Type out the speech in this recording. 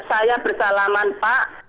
saya bersalaman pak